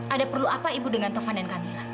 ada perlu apa ibu dengan taufan dan kamila